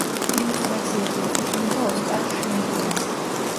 ილუსტრაციები ეკუთვნოდა ოსკარ შმერლინგს.